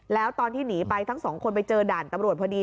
แล้วตอนที่หนีไปทั้งสองคนไปเจอด่านตำรวจพอดี